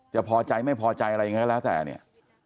จะพอใจไม่พอใจอะไรอย่างนี้แล้วแต่เนี่ย